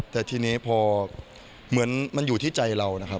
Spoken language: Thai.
แต่ทีนี้พอเหมือนมันอยู่ที่ใจเรานะครับ